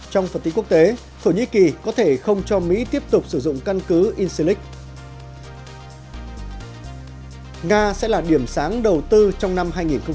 trong phần tính quốc tế thổ nhĩ kỳ có thể không cho mỹ tiếp tục sử dụng căn cứ insulik nga sẽ là điểm sáng đầu tư trong năm hai nghìn một mươi bảy